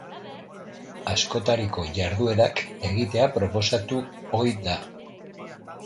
Askotariko jarduerak egitea proposatu ohi da.